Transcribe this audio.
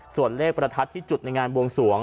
ส่วนเลขประทัดที่จุดในงานบวงสวง